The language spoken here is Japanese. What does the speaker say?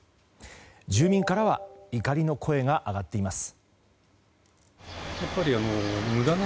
住民からは怒りの声が上がっています。